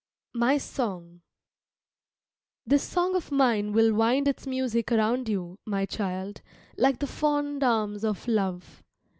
MY SONG This song of mine will wind its music around you, my child, like the fond arms of love.